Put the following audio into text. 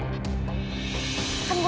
atau mau jadi sayangan gue